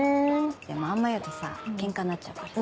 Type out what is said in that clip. でもあんま言うとさケンカになっちゃうからさ。